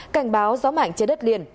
cảnh báo gió mạnh trên đất liền